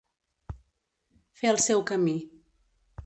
Fer el seu camí.